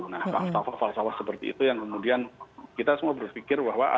nah falsafah falsafah seperti itu yang kemudian kita semua berpikir bahwa